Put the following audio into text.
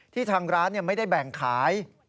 ทางร้านไม่ได้แบ่งขาย